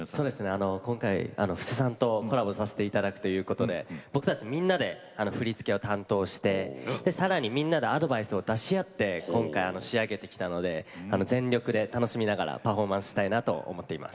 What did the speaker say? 今回布施さんとコラボさせて頂くということで僕たちみんなで振り付けを担当してさらにみんなでアドバイスを出し合って今回仕上げてきたので全力で楽しみながらパフォーマンスしたいなと思っています。